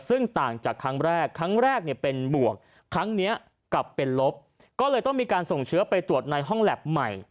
ซึ่งต่างจากครั้งแรกครั้งแรกเนี่ยเป็นบวกครั้งนี้กลับเป็นลบก็เลยต้องมีการส่งเชื้อไปตรวจในห้องแล็บใหม่